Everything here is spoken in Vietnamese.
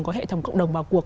có hệ thống cộng đồng vào cuộc